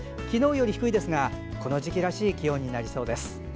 昨日より低いですがこの時期らしい気温となりそうです。